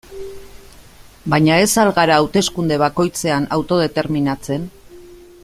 Baina ez al gara hauteskunde bakoitzean autodeterminatzen?